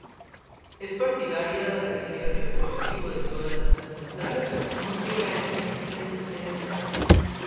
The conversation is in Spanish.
Es partidaria del cierre progresivo de todas las centrales nucleares existentes en España.